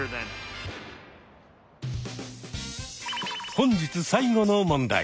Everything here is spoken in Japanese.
本日最後の問題。